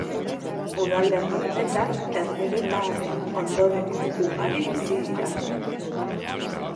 Udalerri honetan herbeheretarren ondorengo ugari bizi dira.